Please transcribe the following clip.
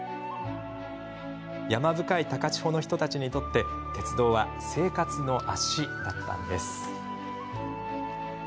山深い高千穂の人たちにとって鉄道は生活の足だったのです。